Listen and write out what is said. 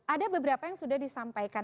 ada beberapa yang sudah disampaikan